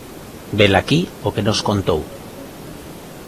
Velaquí aquí o que nos contou.